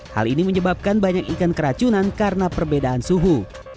hal ini menyebabkan banyak ikan keracunan karena perbedaan suhu